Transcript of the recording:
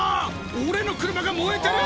俺の車が燃えてる！